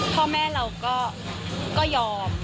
พ่อแม่เราก็ยอม